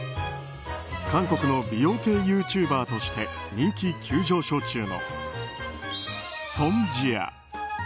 韓国の美容系ユーチューバーとして人気急上昇中のソン・ジア。